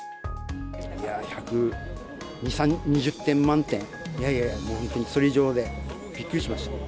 １２０点満点、いやいやいや、もう本当にそれ以上でびっくりしました。